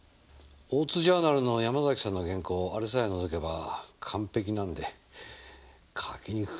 大津ジャーナルの山崎さんの原稿あれさえ除けば完璧なんで書きにくくて。